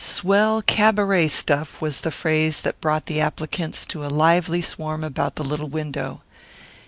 "Swell cabaret stuff" was the phrase that brought the applicants to a lively swarm about the little window.